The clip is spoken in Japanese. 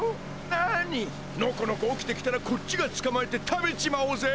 なにのこのこ起きてきたらこっちがつかまえて食べちまおうぜ。